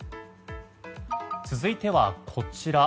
続いては、こちら。